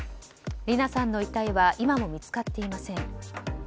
理奈さんの遺体は今も見つかっていません。